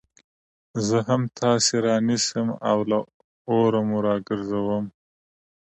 زه هم تاسي رانيسم او له اوره مو راگرځوم